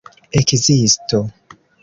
ekzisto